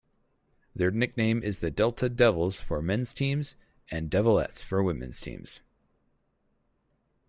Their nickname is the Delta Devils for men's teams and Devilettes for women's teams.